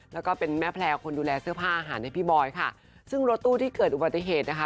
แล้วก็เป็นแม่แพลวคนดูแลเสื้อผ้าอาหารให้พี่บอยค่ะซึ่งรถตู้ที่เกิดอุบัติเหตุนะคะ